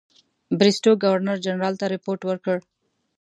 بریسټو ګورنرجنرال ته رپوټ ورکړ.